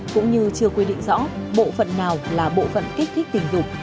cũng như chưa quy định rõ bộ phận nào là bộ phận kích thích tình dục